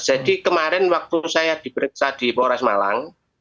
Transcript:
jadi kemarin waktu saya diperiksa di kapolres malang